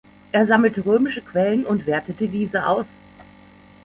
Er sammelte römische Quellen und wertete diese aus.